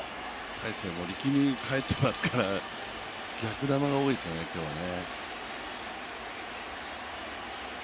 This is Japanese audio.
大勢も力み入ってますから逆球が多いですよね、今日ね。